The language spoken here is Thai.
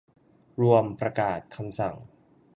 รวม ประกาศ คำสั่ง